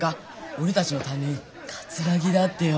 俺たちの担任桂木だってよ。